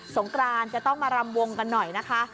งกรานจะต้องมารำวงกันหน่อยนะคะ